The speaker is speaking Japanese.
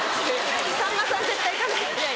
さんまさん絶対行かない。